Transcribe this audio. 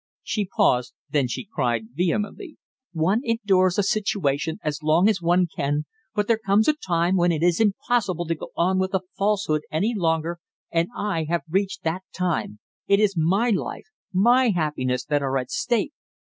She paused, then she cried vehemently. "One endures a situation as long as one can, but there comes a time when it is impossible to go on with the falsehood any longer, and I have reached that time! It is my life, my happiness that are at stake!"